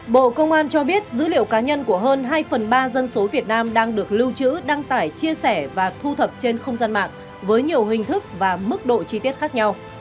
bộ công an cho biết dữ liệu cá nhân của hơn hai phần ba dân số việt nam đang được lưu trữ đăng tải chia sẻ và thu thập trên không gian mạng với nhiều hình thức và mức độ chi tiết khác nhau